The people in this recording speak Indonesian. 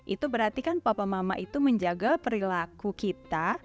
itu berarti kan papa mama itu menjaga perilaku kita